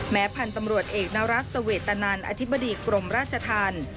พันธุ์ตำรวจเอกนรัฐเสวตนันอธิบดีกรมราชธรรม